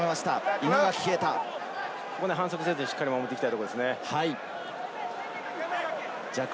ここで反則せずにしっかり守っていきたいところですね。